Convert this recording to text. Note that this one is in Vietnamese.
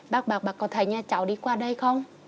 bác bà có thấy nhà cháu đi qua đây không